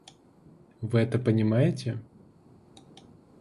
Вы это понимаете?